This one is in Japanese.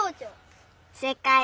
せいかい！